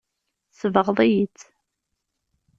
Tsebɣeḍ-iyi-tt.